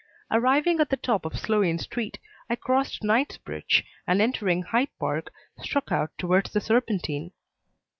Arriving at the top of Sloane Street, I crossed Knightsbridge, and, entering Hyde Park, struck out towards the Serpentine.